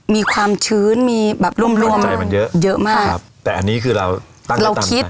มีความชื้นมีแบบร่วมเยอะมาก